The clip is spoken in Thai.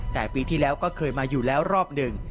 แต่ปีที่แล้วก็เคยมาอยู่แล้วรอบหนึ่ง